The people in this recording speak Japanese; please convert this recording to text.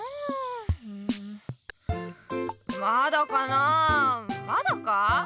まだかなあまだか？